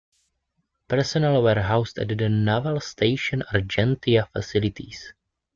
Personnel were housed at the Naval Station Argentia facilities.